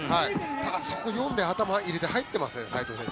ただ、そこを読んで頭を入れて入ってますね、斎藤選手。